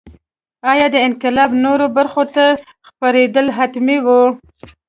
ایا دا انقلاب نورو برخو ته خپرېدل حتمي وو.